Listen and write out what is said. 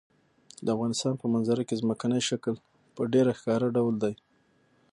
د افغانستان په منظره کې ځمکنی شکل په ډېر ښکاره ډول دی.